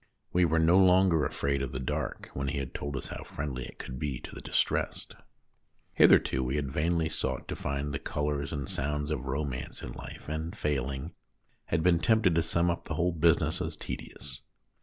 We were no longer afraid of the dark when he had told us how friendly it could be to the distressed. Hitherto we had vainly sought to find the colours and sounds of romance in life, and, failing, had been tempted to sum up the whole business as tedious.